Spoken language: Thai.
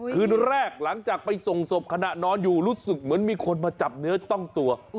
คืนแรกหลังจากไปส่งศพขณะนอนอยู่รู้สึกเหมือนมีคนมาจับเนื้อต้องตัว